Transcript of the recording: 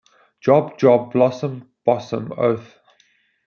Job, Job, blossom, bosom, oath.